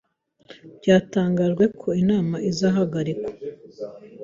Byatangajwe ko inama izahagarikwa.